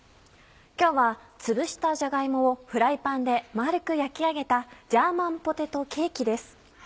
今日はつぶしたじゃが芋をフライパンで丸く焼き上げた「ジャーマンポテトケーキ」です。